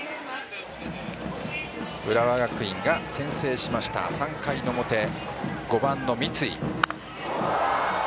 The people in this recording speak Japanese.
浦和学院が先制しました３回の表、５番の三井。